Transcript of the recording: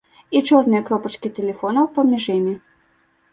І чорныя кропачкі тэлефонаў паміж імі.